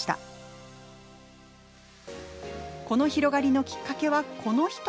この広がりのきっかけはこの人。